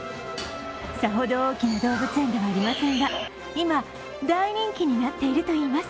さほど大きな動物園ではありませんが今、大人気になっているといいます